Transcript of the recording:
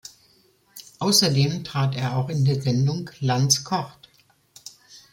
Außerdem trat er auch in der Sendung Lanz kocht!